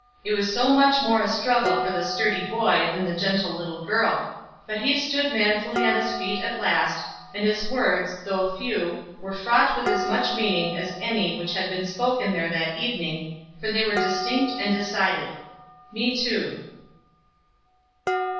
It was so much more of a struggle for the sturdy boy than the gentle little girl; but he stood manfully on his feet at last, and his words, though few, were fraught with as much meaning as any which had been spoken there that evening, for they were distinct and decided: "Me, too."